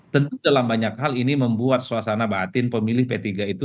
tentu dalam banyak hal ini membuat suasana batin pemilih p tiga itu